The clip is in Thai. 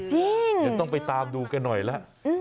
เดี๋ยวต้องไปตามดูกันหน่อยแล้ว